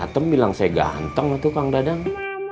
atem bilang saya ganteng tuh tukang dadang